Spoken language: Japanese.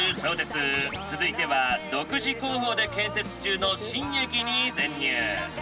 続いては独自工法で建設中の新駅に潜入！